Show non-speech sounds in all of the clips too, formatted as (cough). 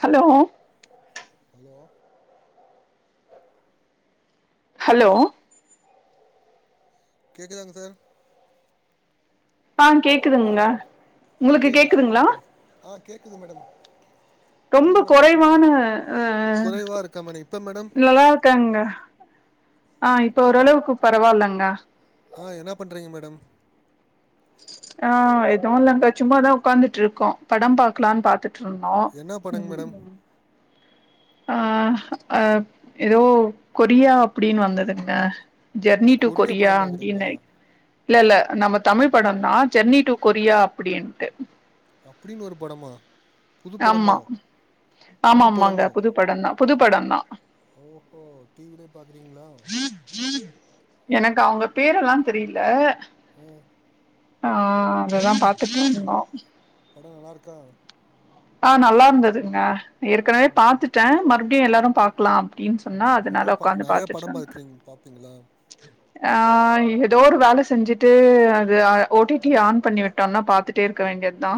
Hello hello hello கேக்குதாங் sir ஆ கேக் ஹல் ஆ கேக்குது சொல்லுங்க மேடம் ஆ கேடக்குது மேடம் ரொம்ப சொல்லுங்க மேடம் எப்டி குறைவான இருக்கீங்க அ குறைவா இருக்கா மேடம் இப்ப மேடம் நல்லா இருக்காங்க ஆ இப்ப ஹல் ஓரளவுக்கு பரவால்லங்க ஆ என்ன பண்றீங்க மேடம் ஆ எதுவு இல்லங்க சும்மாதா உட்காந்துட்ருக்கோ படம் பாக்கலான் பாத்துட் ருந்தோ என்ன படங்க மேடம் ம் ஆ அ எதோ கொரியா அப்புடின் வந்ததுங்க ஜெர்னி டு கொரிய கொரியா படம் பாக்குறீங்களா அப்டின்னாய் இல்ல இல்ல நம்ம தமிழ் படந்தா ஜெர்னி டு கொரியா அப்படின்ட்டு அப்புடின் ஒரு படமா புது ஆமா படமோ ஆமா புது ஆமாங்க படமோ புது படந்தா புது படந்தா ஓஹோ டிவிலே பாக்குறீங்களா எனக்கு அவங்க பேரெல்லா தெரியல ம் ஆ அதுதா பாத்துட்ருந்தோ பட நல்லார்க்கா ஆ நல்லா இருந்ததுங்க ஏற்கனவே ம் பாத்துட்டே மறுபடியு எல்லாரு பாக்கலா அப்படின் ம் சொன்னா ம் நெறைய அதனால ப உக்காந்து நெறைய படம் பாத்துட்ருந்த பாக்குறீங்க பாப்பீங்களா ஆ எதோர் வேல செஞ்சுட்டு அது ஓ டி டி ம் ஆன் பண்ணி விட் டன்னா பாத்துட்டே இருக்க வேண்டியதுதா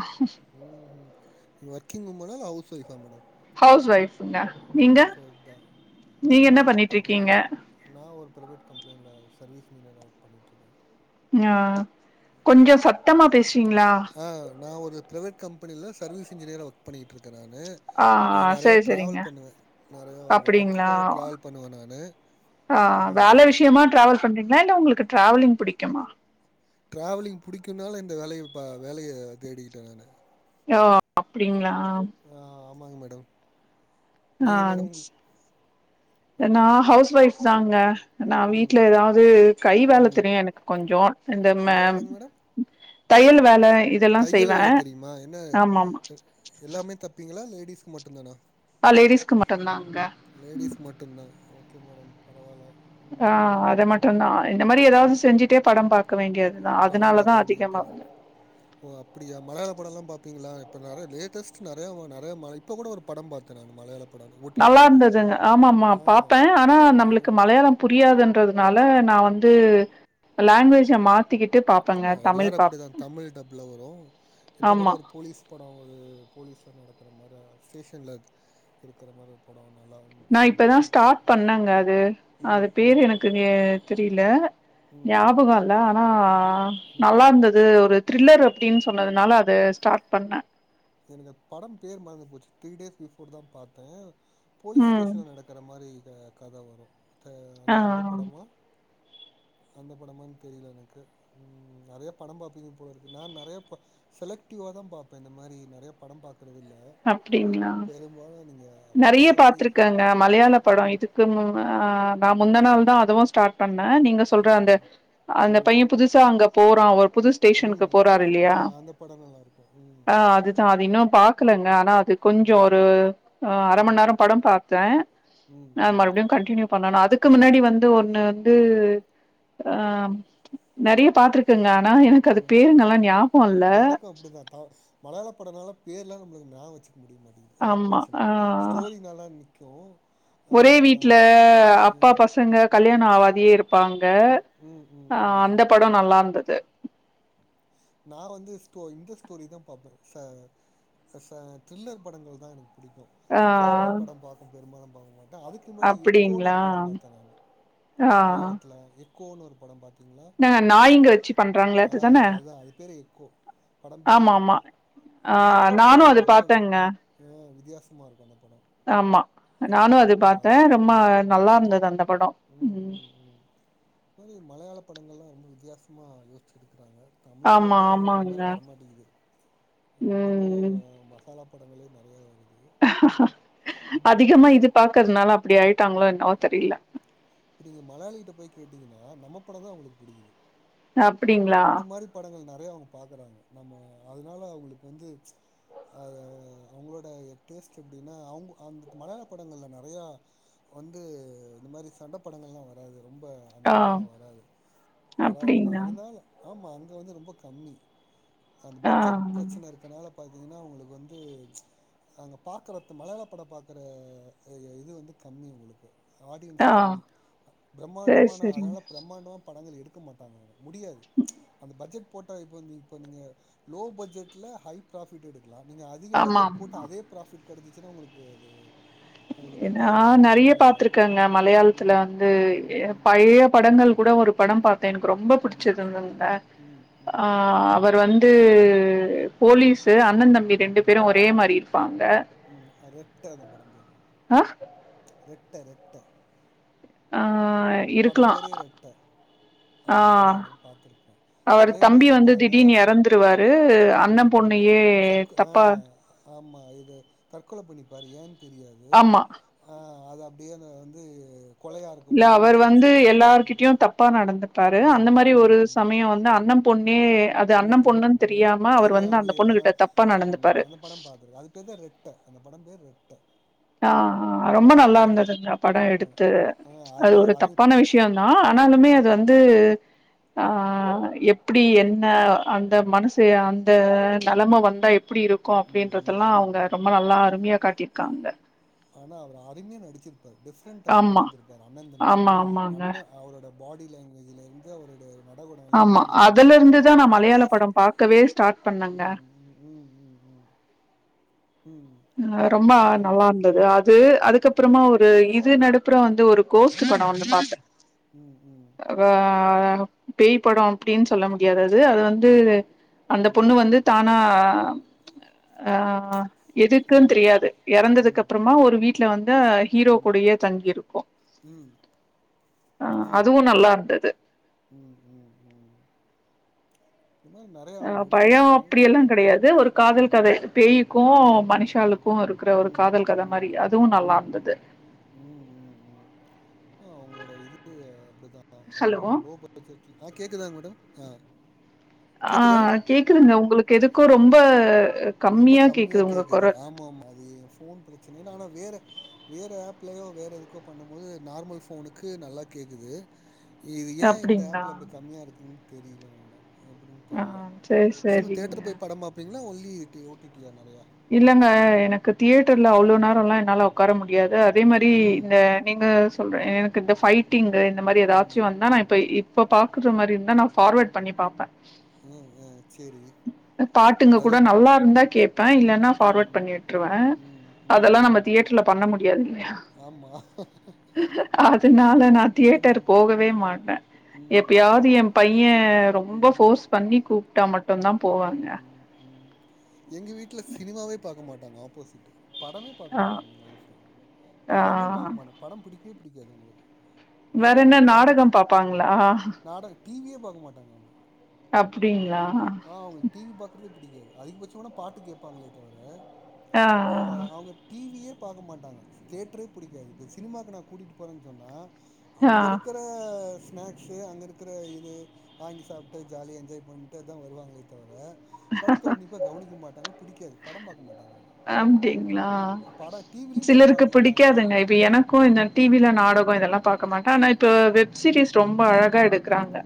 ம் ம் நீங்க ஒர்க்கிங் உமனா இல்ல ஹவுஸ் ஒய்ஃபா மேடம் ஹவுஸ் ஒய்ஃப்ங்க நீங்க ஒய்ஃப் ஒய்ஃப் தான் நீங்க நா என்ன ஒர்க் பண்றே பண்ணிட்றிக்கீங்க நா ஒரு பிரைவேட் கம்பெனில சர்வீஸ் இன்ஜினியரா ஒர்க் பண்ணிட்ருக்கே அ கொஞ்ச சத்தமா பேஸ்வீங்களா ஆ நா ஒரு பிரைவேட் கம்பெனில சர்விஸ் இன்ஜினியரா ஒர் க் பண்ணிட்டு இருக்கே நானு ஆ நா நறைய சரி சரிங்க டிராவல் பண்ணுவே நறைய அப்டிங்களா ஒர்க்குக்காக டிராவல் பண்ணுவே நானு ஆ வேலை விஷயமா டிராவல் பண்றீங்களா இல்ல உங்களுக்கு டிராவலிங் பிடிக்குமா ட்ராவலிங் பிடிக்கும்னால இந்த வேலைய பா வேலைய தேடிக்கிட்டேன் நானு யோ அப்படிங்களா ஆ ஆமாங்க மேடம் ஆ நீங்க மேடம் ச் நா ஹவுஸ் ஒய்ஃப் தாங்க நா வீட்ல ம் எதாவது கை வேலை ம் தெரியு எனக்கு கொஞ்சோ இந்த என்ன மேம் வேலைங்க மேடம் தையல் வேலை இதெல்லா தையல் செய்வே வேல தெரியுமா என்ன ஆமா ஆமா எல்லாமே தப்பீங்களா லேடிஸ்க்கு மட்டுந்தானா ஆ லேடிஸ்கு மட்டுந்தாங்க லேடீஸ்க் மட்டுந்தா ஓகே மேடம் பரவால்ல ம் ஆ அதை மட்டுந்தா இந்த மாதிரி எதாவது செஞ்சுட்டே படம் பா க்க வேண்டியதுதா படம் பாக்க அதுனாலதா அதிகமா வேண்டியதுதா. ஓ அப்படியா மலையாள படம்ல்லா பாப்பீங்களா இப்ப நறைய லேட்டஸ்ட் நறையா நறைய ம இப்ப கூட ஒரு படம் பாத்தே நானு மலையாள படம் நல்லா ஓடிடில தான். இருந்ததுங்க ஆமா ஆமா ஆ, பாப்பே ஆனா ஆ. நம்மளுக்கு மலையாளம் புரியாதுன்றதுனால நா வந்து லாங்குவேஜ மாத் திகிட்டு பா ஆமா எல்லாரும் அப்படிதா தமிழ் டப்புல வரு இப்ப கூட ஆமா ஒரு போலீஸ் படோ ஒரு போலீஸ்லா நடக்கிற மாரி ஸ்டேஷன்ல இருக்கிற மாரி ஒரு படோ நல்லா நா இருந்துச்சு. இப்பதா ஸ்டார்ட் பண்ணேங்க அது ம், அது பேரு ம், எனக்கு தெரியல ம், ஞாபகோ இல் ல ஆனா ம். நல்லா இருந்தது ஒரு த்ரில்லர் அப்படின்னு சொன்னதுனால அது ஸ்டார்ட் பண்ணே எனக்கு அது படம் பேர் மறந்து போச்சு த்ரீ டேஸ் பிஃபோர் தான் பாத்தே போலீஸ் ம் ஸ்டேஷன்ல நடக்க க்கற மாரி க கதை வரு ஆ அந்த அந்த படமா அந்த படமானு தெரியல எனக்கு ம் நறைய படம் பாப்பீங்க போல இருக்கு நான் நறைய செலக்டிவாதா பாப்பே இந்த மாரி நறைய படம் பாக்குறது இல்ல அப்டிங்களா பெரும்பாலு நீங்க நறைய வேல அப்டி பாத்திருக்காங்க மலையாள படோ இதுக்கும் ஆ ம் நா முந்த நாள் தா அதுவு ஸ்டார்ட் பண்ணே நீங்க சொல்ற அந்த ம் அந்த ம் பையன் புது சா அங்க போறான் ஒரு புது ஸ்டேஷனுக்கு ம் போறாரு ஆ இல்லையா அந்த படம் நல்லா இருக்கு ம் ஆ அது தா அது இன்னு பாக்கலங்க ஆனா அது கொஞ்சோ ம் ஒரு அ அரை மந்நேரோ படம் பாத்தே ம் அ ம் மறுபடியும் கண்டினியூ பண்ணணு அதுக்கு முன்னாடி வந்து ஒன்னு ந்து ஆ நறைய பாத்துருக் இருக்குங்க ஆனா எனக்கு அது ம் ம் பேருங்கல்லா ஞாபக இல்ல எனக்கு அப்டிதா தா மலையாள படனால பேர்லாம் நம்மளுக்கு ஞாபக வச்சுக்க முடிய மாட்டேங்கிது அதுதா ஆமா பிரச்சனை ஆ ஸ்டோரி நல்லா நிக் க்கு ஒரே வீட்ல அப்பா பசங்க கல்யாண ஆவாதியே இரு ப்பாங்க ம் ம் ம் ஆ ம் அந்த படோ நல்லா இருந்தது நா வந்து ஸ்டோ இந்த ஸ்டோரி தா பாப்பே ச சச தரில்லர் படங்கள் தா எனக்கு பிடிக்கு ஆ ஃபாமிலி படம் பாக்கும் பெரும்பாலும் பாக்க மாட்டே அதுக்கு முன்னாடி எக்கோன்னு அப்டிங்களா ஒரு படம் பாத்தே நானு ஆ மலையாளத்தில எக்கோன்னு ஒரு படம் பாத்தே கிங்ளா நா நாய்ங்க வச்சு பண்றாங்களே ஆ அதுதான அதா அது பேரே எக்கோ படம் பேரே ஆமா ஆமா எக்கோ ஆ அந்த படமு நானு அது ஒன்பது பாத்தேங்க ஆ வித்தியாசமா இருக்கு அந்த படோ ஆமா அந்த நானு அது படமு பாத்தே நல்லாருக்கு ரொம்ப ம் ம் நல்லா இருந்தது அந்த படோ ம் கேரி மலையாள படங்கள்லா ரொம்ப வித்தியாசமா யோஸ்ச்சு எடுக்குறாங்க தமிழ்ல ஆமா தா வுன்னு அந்த ஆமாங்க மாதிரி வரமாட்டிகுது இ இன்னமு ம் மா காலாப்படங்களே நெறையா வருது அதிகமா இது பாக்குறதுனால அப்டி ஆயிட்டாங்களோ என்னவோ தெரில இப்ப நீங்க மலையாளிகிட்ட போய் கேட்டிங்கனா நம்ம படம் தா அவுங்களுக்கு புடிக்குது அப்பிடிங்ளா இந்த மாரி படங்கள் நெறைய அவுங்க பாக்குறாங்க நம்ம அதுனால அவுங்களுக்கு வந்து அத அவுங்களோட டேஸ்ட் எப்டினா அவுங்க அந்த மலையாள படங்கள்ல நெறையா வந்து இந்த மாரி சண்ட படங்கள்லா வராது ரொம்ப அந்த ஆ மாரிலா வராது வராதுல அப்டிங்களா அதுனால ஆமா அங்க வந்து ரொம்ப கம்மி அந்த ஆ பட்ஜெட் பிரச்சன இருக் கனால பாத்தீங்கன்னா அவுங்களுக்கு வந்து அங்க பாக்குற இப்ப மலையாள பட பாக்குற இ இது வந்து கம்மி உங்களுக்கு ஆடியன்ஸ் ஆ கம்மி சேரி பிரம்மாண்டமான சேரிங்க அதுனால பிரம்மாண்டமா படங்கள் எடுக்க மாட்டாங்க அத முடியாது அந்த பட்ஜட் போட்டா இப்போ வந்து இப்ப நீங்க லோ பட்ஜட்ல ஹை ப்ராஃபிட் எடு லா நீங்க அதிக பட்ஜட் ஆமாம் போட்டு அதே ப்ராஃபிட் கெடச்சுனா ஒங்களுக்கு அது ஏ உங்களுக்கு வந்து நா லாபம் நெறைய கம்மி இல்ல பாத்துருக்கேங்க மலையாளத்துல ம் வந்து ம் எ ம் பழைய படங்கள் கூட ஒரு படம் பாத்தே எனக்கு ரொம்ப ம் புடுச்சதுதுங்த ம் அ ம் அவர் வந் து போலீஸு அண்ணந் தம்பி ரெண்டு பேரு ஒரே மாரி இருப்பாங்க ம் அ ரெட்ட அந்த படம் பேரு ஆ ரெட்ட ரெட்ட ஆ படம் இருக்கலா பேரே ரெட்ட அது ஆ அந்த படம் எனக் பாத்துருக்கே அவர் ஒரே தம்பி வந்து மார்ருப்பாங்க திடீர்னு எறந்துருவாரு அண்ண ம் ம் பொண்ணையே சக்கு ஆ தப்பா ஆமா இது தற்கொல பண்ணிப்பாரு ஏன் தெரியாது ஆமா ஆ அது அப்டியே அந்த வந்து கொலையா இல்ல இருக்குமோன் அவர் வந்து எல்லார்கிட்டயு தப்பா நடந்துப்பாரு ம் அந்த மாரி ம் ஒரு ம் சமயோ வந்து ம் அண்ண பொண்ணே அது அண்ண ம் ம் ம் பொண்ணுன் ம் தெரியாம அவரு வந்து அந்த தெரியாமலே பொண்ணு அதனால கிட்ட தப்பா ம் நடந்துப்பாரு அந்த படம் பாத்துருக்கே அது பேருதா ரெட் ட அந்த படம் பேர் ரெட்ட ஆ ஆ ரொம்ப நல்லா நம்ம ரெ இருந்ததுங்க படோ ம் எடுத்து அது ஒரு தப்பான விஷ்யோந் தா ஆனாலுமே ம் அது வந்து ஆ எப் எப்டி என்ன அந்த ம் மனசு அந்த ம் நெலம வந்தா எப்டி இருக்கு ம் அப்டின்றது ம் க்கல்லா ம் அவுங்க ம் ரொம்ப நல்லா அருமையா காட்டிருக்காங்க ஆனா அவரு அருமைய நடுச்சுருப்பாரு டிஃப்ரெண்டா கொண்டு ஆமா வந்துருப்பாரு அண்ணந் தம்பி ஆமா ஆமாங்க அண்ண அவரோட பாடி லாங்குவேஜ்லருந்து அவரோட நடகுடம்லா ஆமா அதுல கவனிச்சீங்கன்னா இருந்து தா நா மலையாள வித்தியாசம் படம் பாக்கவே ஸ்டார்ட் பண்ணங்க ம் ம் ம் ம் ம் அ ரொம்ப ஆமா அவங்க நல்லா இருந்தது அது அதுக்கப்பறமா ஒரு இது நடுப்புறோ வந்து ஒரு கோஸ்ட் படோ வந்து பாத்தே ம் ம் அ பேய் படோ அப்டின்னு சொல்ல முடியாது அது அது வந்து ம் அந்த ம் பொண்ணு ம் வந்து தானா அ ஆ ம் எதுக்குன் ம் தெரியாது எறந்ததுக்கு ம் அப்பறமா ஒரு வீட்டுல வந்து ஹீரோ கூடயே தங்கி இருக்கு அ ம் அதுவு நல்லா இருந்தது ம் ம் ம் இது மாரி நெறையா ஆ அவங்க பயோ எடுக்குறாங்க அப்டி எல்லா கெடையாது ஒரு காதல் ம் கதை பேய்க்கு ம் ம் மனுஷாளுக்கு இருக்குற ஒரு ம் காதல் கத ம் மாரி அதுவு நல்லா ம் இருந்தது ம் ம் ம் அவுங்களோட இது அப்டித்தா அது ஹலோ லோ பட் ட்ஜட் ஆ கேக்குதாங்க மேடம் ஆ ஆ கேக்குதா கேக்குதுங்க உங்களுக்கு எதுக்கோ ரொம்ப ரொம்ப கம்மியா கேக்குது ஆமா ஆமா அது எ ஃபோன் ப்ரச்சன இல்ல ஆனா வேற வேற ஆஃப்லயோ வேற எதுக்கோ பண்ணும் போது நார்மல் ஃபோனுக்கு நல்லா கேக்குது இது ஏ இந்த அப்டிங்களா ஆஃப்ல இப்டி கம்மியா இருக்குதுனு தெரியில மேடம் எப்டின்னு ஆ தெர்ல சேரி சினிமா சேரிங்க தேட்ருல போய் படம் பாப்பீங்களா only T O T T ஆ நெறையா இல்லங்க எனக்கு தியேட்டர்ல அவ்ளோ நேரல்லா என்னால உக் உக்கார முடியாது அதே மாரி ம் இந்த நீங்க சொல்ற எனக்கு இந்த ஃபைவ் டிங்கு இந்த மாரி ம் எதாச்சு வந்தா நா இப்ப இப்ப பாக்குற மாரி இருந்தா நா ஃபார்வேர்ட் பண்ணி பாப்பே ம் ம் சேரி பாட்டுங்க கூட அதுல நல்லா இருந்தா கேப்பே இல்லன் னா ம் ஃபார்வேர்ட் பண்ணி விட்ருவே ம் ம் அதல்லா நம்ம ம் தியேட்டர்ல பண்ண முடியாது இல்லயா ஆமா அதுனால நா தியேட்டர் ம் போகவே மாட்டே ம் எப்பையாவது எ பையே ரொம்ப ம் ஃபோர்ஸ் பண்ணி கூப்ட்டா மட்டுந்தா போவாங்க. ம் ம் எங்க வீட்ல சினிமாவே பாக்க மாட்டாங்க ஆப்போசிட்டு படமே பாக்க ஆ மாட்டாங்க எங்க ஒய்ஃபு ஆ படமே பாக்க மாட்டாங் படம் பிடிக்கவே பிடிக்காது அவுங்களுக்கு வெறு வேற என்ன அப்பப்ப பாட்டு நாடகம் கேட்டு பாப்பாங்களா? நாடக டிவியே பாக்க மாட்டாங்க அவுங்க அப்டிங்களா ஆ அவுங்க டிவி பாக்குறதே புடிக்காது அதிகபட்சமான பாட்டு கேப்பாங்களே தவுர ஆ அவுங்க டிவியே பாக்க மாட்டாங்க தேட்ரே புடிக்காது இப்போ சினிமாவுக்கு நா கூட்டிட்டு போறேன்னு சொன்னா ஆ அங்க இருக்க அ ஸ்நாக்ஸு அங்க இருக்குற இது வாங்கி சாப்ட்டு ஜாலியா என்ஜாய் பண்ணிட்டுதா வருவாங்க தே தவுர படத்த உண்ணிப்பா கவனிக்க மாட்டாங்க பிடிக்காது படம் பாக்க மாட்டாங்க அவுங்க அப்டிங்களா படம் சிலருக்கு பாக்க மாட்டாங்க புடிக்காதுங்க இப் இப்ப எனக்கு இந்த டிவில நாடகோ இதெல்லா பாக்க மாட்டே ஆனா இப்ப வெப் சீரீஸ் ரொம்ப அழகா எடுக்குறாங்க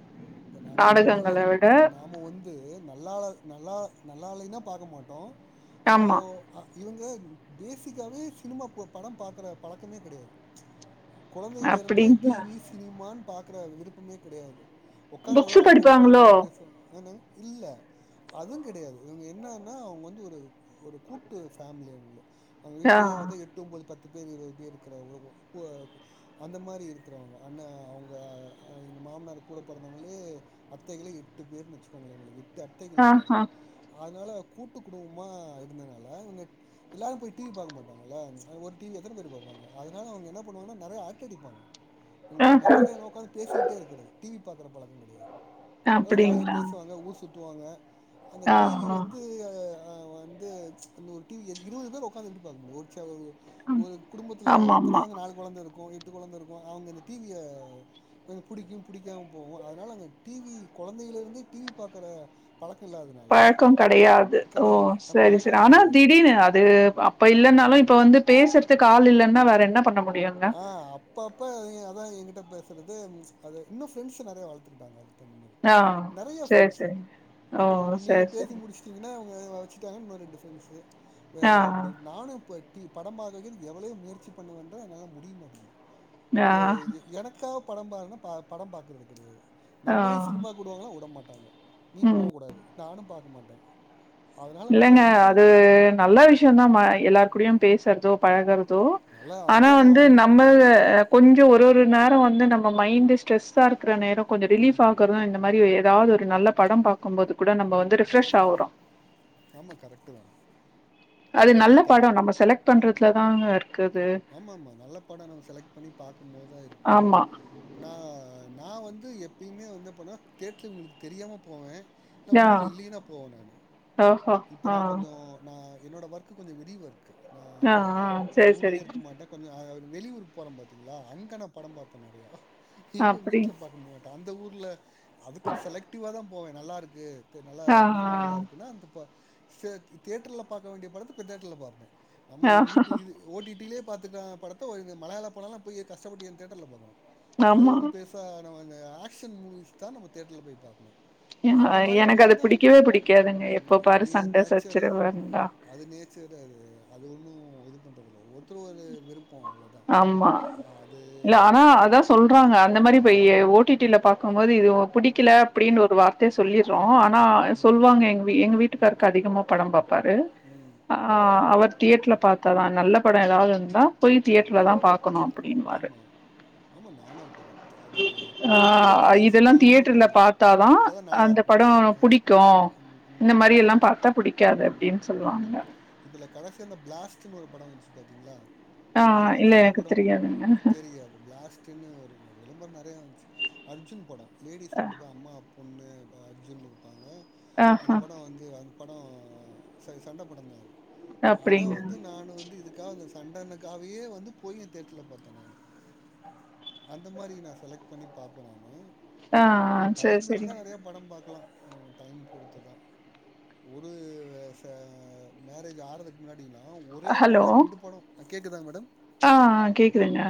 இப்ப நமக்கு அல்ல நாடகங்கள விட நாம வந்து ந்து நல்லாலாத நல்லா நல்லா இல்லைன்னா பாக்க மாட்டோ அ ஆமா ஆ இவுங்க பேசிக்காவே சினிமா போ படம் பாக்குற பழக்கமே கிடையாது குழந்தையிலருந்தே அப்டிங்களா டிவி சினிமான்னு பாக்குற விருப்பமே கிடையாது உக்காந்து புக்ஸு நல்லா அரட்ட அடிப்பாங்க படிப்பாங்களோ நல்லா பேசுவாங்க ஆனா இல்ல அதுவு கெடையாது இவுங்க என்னன்னா அவுங்க வந்து ஒரு ஒரு கூட்டு ஃபேமிலி அவுங்க வந்து அவுங்க ஆ வீட்லயே வந்து எட்டு ஒம்போது பத்து பேரு இருவது பேரு இருக்குறாங்க ஒ அ அந்த மாரி இருக்குறவுங்க அண்ணே அவுங்க எங்க மாமனார் கூட பொறந்தவுங்களே அத்தைகளே எட்டு பேர்னு வச்சுக்கோங்களே அவுங்களுக்கு எட்டு அத்தைகள் இருக்காங்க ஆஹா அதனால கூட்டு குடும்பமா இருந்தனால இவங்க எல்லாரு போய் டி வி பாக்க மாட்டாங்கல்ல ஒரு டி விய எத்தன பேரு பாப்பாங்க அதனால அவங்க என்ன பண்ணுவாங்கனா நெறைய அரட்டை அடிப்பாங்க இவங்ளோ ஆ மெத்தடே ஒக்காந்து பேசிக்கிட்டே இருக்கிறது டி வி பாக்கற பழக்கம் கெடையாது நல்லா ஜாலியா அப்டிங்களா பேசுவாங்க ஊர் சுத் சுத்துவாங்க அந்த ஆ டி வி ஆ வந்து து அ வந்து ஒரு டி விய இருவது பேர் ஒக்காந்து எப்டி பாக்க முடியு ஒரு சே ஒரு குடும்பத்துல ஒரு ஆமா அத்தனா ஆமா வந்து நாலு கொழந்த இருக்கு எட்டு கொழந்த இருக்கு அவங்க இந்த டி விய புடிக்கு புடிக்காம போவு அதனால அங்க டி வி கொழந்தைல இருந்தே டி வி பாக்குற பழக்க இல்லாதனா பழக்க கெடையாது ஓ செரி செரி பழக்கம் ஆனா கெடையாது திடீர்னு அது ப்ப இல்லனாலு இப்ப வந்து பேசுறதுக்கு ஆள் இல்லன்னா வேற என்ன பண்ண முடியு அங்க அ அப்பப்ப அதா என்கிட்ட பேசுறது அது இன்னு ஃப்ரெண்ட்ஸ் நெறைய வளத்துக்கிட்டாங்க அது அந்த மேரி ஆ நெறைய சரி ஃபிரெண்ட்ஸ் சரி ஓ இப்ப நீங்க சரி பேசி சரி முடிச்சு ச்சிங்னா அவங்க வச்சுட்டாங்க இன்னு ரெண்டு ஃப்ரெண்ட்ஸு ஆ வேல அப்டி நானு இப்ப டி படம் பாக்ககே நீங்க எவ்ளோ முயற்சி பண்ண வந்தே என்னால முடிய மாட்டிக்குது ஆ எ ஆ. எனக்கா படம் பாருன ப படம் பாக்றது கெடையாது ஆ நம்மளையு சினிமாக் வுடுவாங்களா வுட மாட்டாங்க நீ ம் போகக் கூடாது நானு பாக்க மாட்டே அதனால நா இல்லங்க வந்து அது இப்போ நல்ல விஷயம்தா எல்லார் கூடுயு பேசுறதோ பழகுற தோ நல்லா ஆனா அதனால நா வந்து ஒன்னு நம்ம கொஞ்ச ஒரு ஒரு நேர வந்து நம்ம மைண்டு ஸ்ட்ரெஸ்ஸா இருக்கிற நேரோ கொஞ்ச ரிலீப் ம் ஆகறதா இந்த மாரி ஏதாது ஒரு நல்ல படம் பாக்கும்போது கூட நம்ம ம் வந்து ம் ரிப்ரெஷ் ஆவுறோ ஆமா கரெக்ட்டுதா அது நல்ல பட நம்ம செலக்ட் பண்றதுலதாங்க இருக்குது ஆமாமா நல்ல பட நம்ம செலக்ட் பண்ணி பாக்கும்போதா இருக்கு ஆமா நா நா வந்து எப்பயுமே வந்து பனா தேட்ல உங்களுக்கு தெரியாம போவே நா ஆ ஊர் இல்லினா போவே நானு ஓஹோ இப்போ ஆ நா கொஞ்ச நா என்னோட ஒர்க்கு கொஞ்ச வெளி ஒர்க்கு நா ஆ ஆ சேரி ஊர்லயே சேரிங்க இருக்க மாட்டே கொஞ்ச வெளியூர்க்கு போற பாத்தீங்ளா அங்க நா படம் பாப்பே நெறையா இங்க அப்டி வீட்ல பாக்க மாட் அந்த ஊர்ல அதுக்கு செலக்டிவாதா போவே நல்லாருக்கு நல்லா ஆ ரிவ்யூ நல்லார்க்குனா அந்த செ தேட்ருல பாக்க வேண்டிய படத்த போய் தேட்ருல பாப்பே நம்ம ஆ ஆ யூடியூ இது ஓ டி டிலே பாத்துட்ட படத்த மலயாள படல்லா போய் கஷ்டப்பட்டு ஏ தேட்டர்ல பாக்கனு அது ஆமா ஒன்னு பேச இப்ப நம்ம இந்த ஆக்ஷன் மூவிஸ்தா நம்ம தேட்டர்ல போய் பாக்கணு எனக்கு அது புடிக்கவே புடிக்காதுங்க எப்போ ம் பாரு அது சண்ட நேச்சர் சச்சிர அது வந்தா அது நேச்சர் அது அது ஒன்னு இது பண்றதில்ல ஒருத்தரு ஒரு விருப்ப அவ்ளோ ஆமா இல்ல ஆனா அதா சொல்றாங்க அந்த மாரி போயி ஓ டி டில பாக்கும்போது இது ஓ புடிக்கல அப்டின் ஒரு வார்த்தய சொல்லிரு ஆனா ம் சொல்வாங்க எங்க எங்க வீட்டுக்காருக்கு அதிகமா படம் பாப்பாரு ம் ம் ஆ அவர் தியேட்ல பாத்தாதா நல்ல பட ஏதாது இருந்தா போய் ம் தியேட்டர்லதா பாக்கணு அப்படின்வாரு ஆமா ஆமா நானு அப்டிதா அது ஆ ஓ டி டி ஸ் இதெல்லா னு தியேட்டர்ல பாத்தாதா இப்பதா அந்த நல்லாருக்கு பட ஆமா ஆ புடிக்கு ம் ம் இந்த ம் மாரி எல்லா பாத்தா புடிக்காது அப்டின் சொல்லுவாங்க இதுல கடைசிய இந்த பிளாஸ்ட்ன்னு ஒரு படம் வந்துச்சு பாத்தீங்களா ஆ எனக்கு அந்த இல்ல சண்ட படம் தெரியாதுங்க தெரியாது பிளாஸ்ட் தின்னு ஒரு விளம்பரம் நெறைய வந்துச்சு அர்ஜுன் படம் லேடி பிரண்டுக்கு அம்மா பொண்ணு அர்ஜுன் இருப்பாங்க அந்த ஆஹா படம் வந்து படம் ச சண்ட படந்தான் அது அத அப்டிங்க வந்து நான் வந்து இதுக்காக சண்டன்னு (unintelligible) வந்து (unintelligible) தேட்ருல பார்த்தேன் நானு அந்த மாதிரி நான் செலக்ட் பண்ணி பார்ப்பேன் நானு ஆ சேரி டைம் சேரிங்க இருந்தா நெறைய படம் பார்க்கலாம் அவங்க டைம் பொறுத்து தான் ஒரு ச மேரேஜ் ஆறதுக்கு முன்னாடில்லா ஒரே ஹலோ நாள்ல ரெண்டு படம் கேக்குதா மேடம் ஆ ஆ கேக்குதுங்க